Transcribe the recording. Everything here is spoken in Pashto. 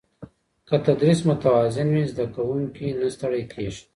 که تدریس متوازن وي، زده کوونکی نه ستړی کېږي.